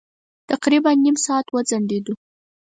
تقريباً نيم ساعت وځنډېدو.